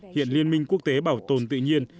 hiện liên minh quốc tế bảo tồn tự nhiên